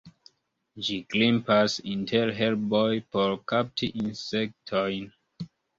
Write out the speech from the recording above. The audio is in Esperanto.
Ĝi grimpas inter herboj por kapti insektojn.